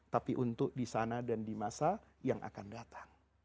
tapi untuk di sana dan di masa yang akan datang